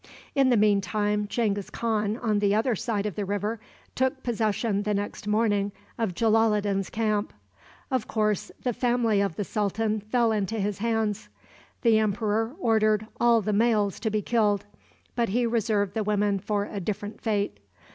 In the mean time, Genghis Khan, on the other side of the river, took possession the next morning of Jalaloddin's camp. Of course, the family of the sultan fell into his hands. The emperor ordered all the males to be killed, but he reserved the women for a different fate.